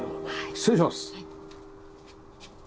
失礼します。